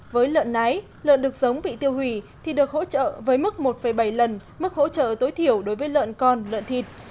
với lợn nái lợn đực giống bị tiêu hủy thì được hỗ trợ với mức một bảy lần mức hỗ trợ tối thiểu đối với lợn con lợn thịt